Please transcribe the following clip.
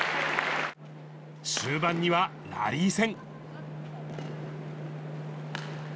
終盤にはラリー戦。